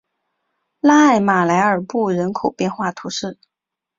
拉艾马莱尔布人口变化图示